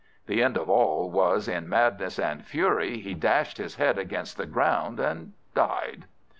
The end of all was, in madness and fury he dashed his head against the ground, and died.